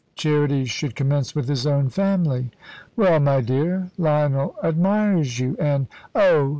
Charity should commence with his own family." "Well, my dear, Lionel admires you, and " "Oh!